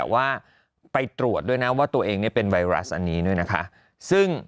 ว่าไปตรวจด้วยนะว่าตัวเองเป็นไวรัสอันนี้ด้วยนะคะซึ่ง